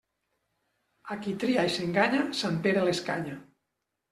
A qui tria i s'enganya, sant Pere l'escanya.